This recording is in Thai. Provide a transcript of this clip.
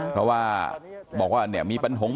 เพราะว่าบอกว่าเนี่ยมีปัญหา